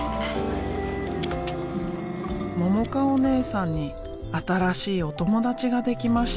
ももかおねえさんに新しいお友達ができました。